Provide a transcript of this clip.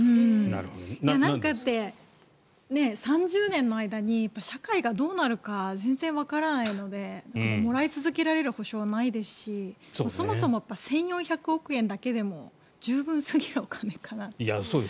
だって３０年の間に社会がどうなるか全然わからないのでもらい続けられる保証はないですしそもそも１４００億円だけでも十分すぎるお金かなと。